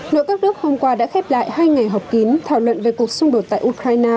nội các nước hôm qua đã khép lại hai ngày họp kín thảo luận về cuộc xung đột tại ukraine